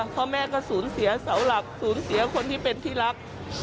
พ่อแม่ก็สูญเสียเสาหลักสูญเสียคนที่เป็นที่รัก